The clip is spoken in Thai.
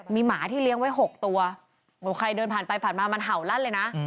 มีหมาที่เลี้ยงไว้๖ตัวใครเดินผ่านไปผ่านมามันเห่าลั่นเลยนะ